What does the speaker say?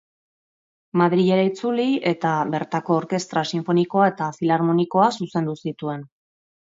Madrilera itzuli eta bertako Orkestra Sinfonikoa eta Filarmonikoa zuzendu zituen.